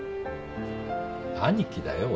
兄貴だよ？